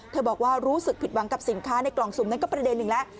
บอกว่ารู้สึกผิดหวังกับสินค้าในกล่องสุ่มนั้นก็ประเด็นหนึ่งแล้ว